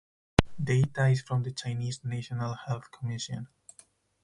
Data is from the Chinese National Health Commission.